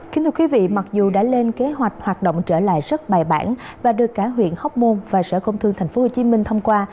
kính thưa quý vị mặc dù đã lên kế hoạch hoạt động trở lại rất bài bản và được cả huyện hóc môn và sở công thương tp hcm thông qua